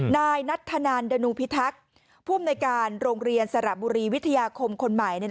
นายนัทธนันดนูพิทักษ์ผู้อำนวยการโรงเรียนสระบุรีวิทยาคมคนใหม่